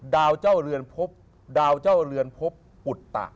เจ้าเรือนพบดาวเจ้าเรือนพบปุตตะ